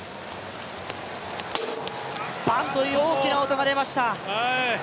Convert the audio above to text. ばんっという大きな音が出ました。